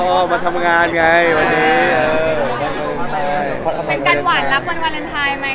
คุณพอชว่าของฉันคือการแวรนทายมั้ย